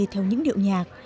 theo những điệu nhạc